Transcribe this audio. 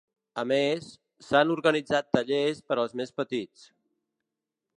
A més, s’han organitzat tallers per als més petits.